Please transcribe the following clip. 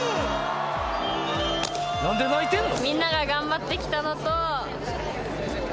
何で泣いてんの？